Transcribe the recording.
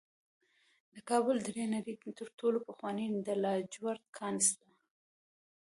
د کابل درې د نړۍ تر ټولو پخوانی د لاجورد کان دی